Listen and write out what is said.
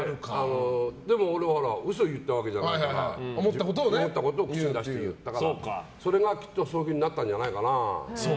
でも嘘言ったわけじゃないから思ったことを口に出して言ったからそれがきっとそういうふうになったんじゃないかな。